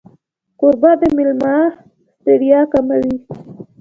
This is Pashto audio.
کوربه د مېلمه ستړیا کموي.